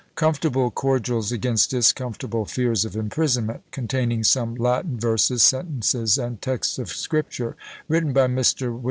"Comfortable Cordials against discomfortable Fears of Imprisonment; containing some Latin Verses, Sentences, and Texts of Scripture, _written by Mr. Wm.